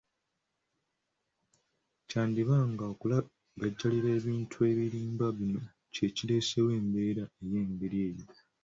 Kyandiba nga okulagajjalira ebintu ebiringa bino kye kireeseewo embeera ey'engeri eyo?